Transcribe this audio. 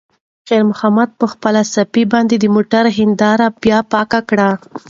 خیر محمد په خپلې صافې باندې د موټر هینداره بیا پاکه کړه.